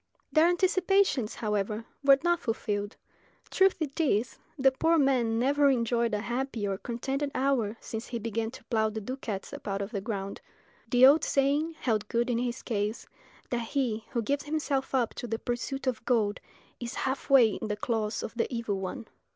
Their anticipations, however, were not fulfilled. True it is, the poor man never enjoyed a happy or contented hour since he began to plough the ducats up out of the ground. The old saying held good in his case, that he who gives himself up to the pursuit of gold is half way in the claws of the evil one.